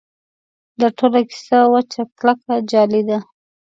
دا ټوله کیسه وچ کلک جعل دی.